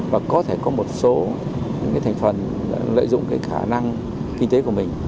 và có thể có một số những thành phần lợi dụng cái khả năng kinh tế của mình